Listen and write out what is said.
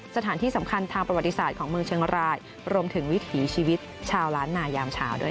สถานที่สำคัญทางประวัติศาสตร์ของเมืองเชียงรายรวมถึงวิถีชีวิตชาวล้านนายามเช้าด้วย